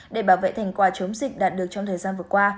để bảo vệ thành quả chống dịch đạt được trong thời gian vừa qua